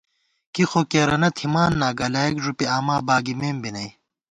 کی خو کېرَنہ تھِمان نا، گلائیک ݫُوپی آما باگمېم بی نئ